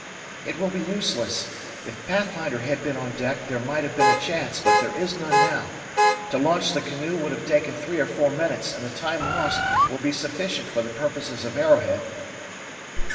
"It will be useless. If Pathfinder had been on deck, there might have been a chance; but there is none now. To launch the canoe would have taken three or four minutes, and the time lost would be sufficient for the purposes of Arrowhead."